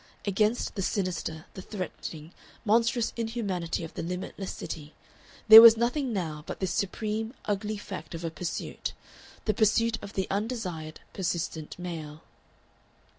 Against the sinister, the threatening, monstrous inhumanity of the limitless city, there was nothing now but this supreme, ugly fact of a pursuit the pursuit of the undesired, persistent male.